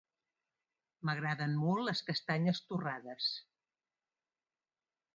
M'agraden molt les castanyes torrades.